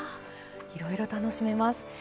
いろいろ楽しめます。